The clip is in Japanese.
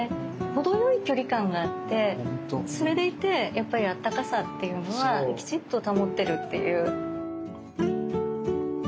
程よい距離感があってそれでいてやっぱりあったかさっていうのはきちっと保ってるっていう。